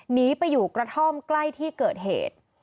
หนีไปอยู่กระท่อมใกล้ที่เกิดเหตุ